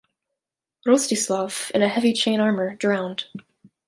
Rostislav, in a heavy chain armour, drowned.